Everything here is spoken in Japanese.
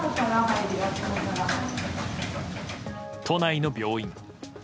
都内の病院。